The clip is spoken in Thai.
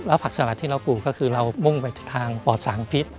ผักสลัดที่เราปลูกก็คือเรามุ่งไปทางปอดสางพิษ